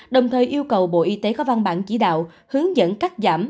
đồng thời yêu cầu bộ y tế có văn bản chỉ đạo hướng dẫn cắt giảm